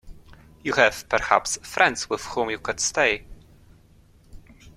You have, perhaps, friends with whom you could stay?